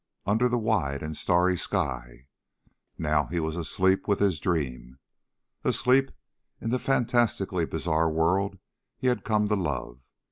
Under the wide and starry sky ... Now he was asleep with his dream. Asleep in the fantastically bizarre world he had come to love.